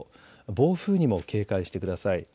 暴風にも警戒してください。